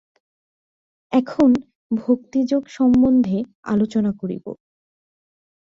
এখন ভক্তিযোগ সন্বন্ধে আলোচনা করিব।